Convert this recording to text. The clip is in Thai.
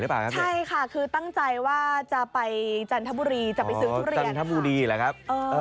หรือข้ายค่ะคือตั้งใจว่าจะไปจันทบุรีจะไปซื้อทุเรียนนะครับ